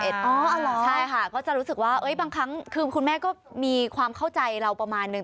ใช่ค่ะก็จะรู้สึกว่าบางครั้งคือคุณแม่ก็มีความเข้าใจเราประมาณนึง